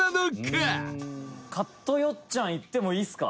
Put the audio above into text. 宮田：カットよっちゃんいってもいいですか？